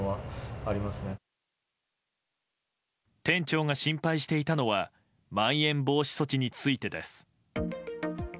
店長が心配していたのはまん延防止措置についてです。